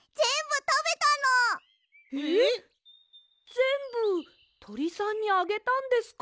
ぜんぶとりさんにあげたんですか？